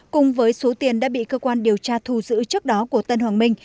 cùng với số tiền đã bị cơ quan điều tra thu giữ trước đó của tân hoàng minh